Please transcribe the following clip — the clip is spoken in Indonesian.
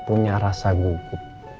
punya rasa deg degan